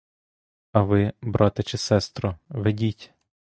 А ви, брате чи сестро, ведіть!